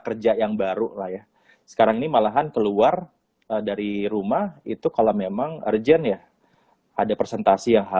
kerja yang baru lah ya sekarang ini malahan keluar dari rumah itu kalau memang urgent ya ada persentase